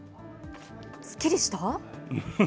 すっきりした？